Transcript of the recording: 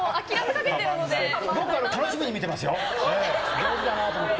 上手だなと思って。